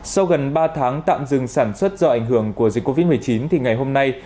sau gần ba tháng tạm dừng sản xuất do ảnh hưởng của dịch covid một mươi chín thì ngày hôm nay